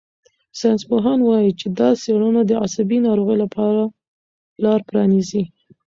ساینسپوهان وايي چې دا څېړنه د عصبي ناروغیو لپاره لار پرانیزي.